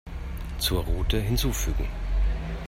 Zur Route hinzufügen.